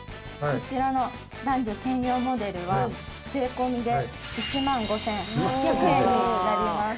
こちらの男女兼用モデルは税込で１万５８００円になります。